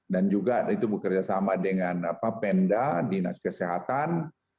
dan juga itu bekerja sama dengan penda dinas kesehatan